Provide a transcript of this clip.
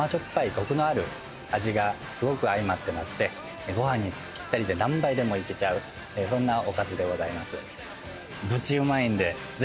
コクのある味がすごく相まってましてご飯にぴったりで何杯でもいけちゃうそんなおかずでございます。